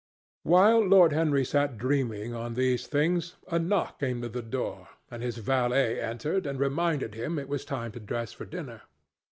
While Lord Henry sat dreaming on these things, a knock came to the door, and his valet entered and reminded him it was time to dress for dinner.